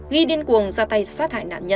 ghi điên cuồng ra tay sát